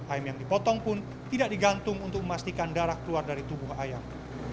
ayam yang dipotong pun tidak digantung untuk memastikan darah keluar dari tubuh ayam